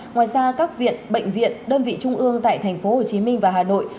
ngoài ra các viện bệnh viện đơn vị trung ương tại tp hcm và hà nội